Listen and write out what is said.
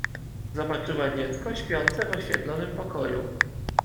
Zobaczyła dziecko śpiące w oświetlonym pokoju.